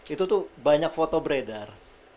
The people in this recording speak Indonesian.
itu tuh banyak foto beredar